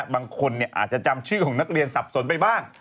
บางคนอาจจะจำชื่อของนักเรียนสับสนไปบ้าง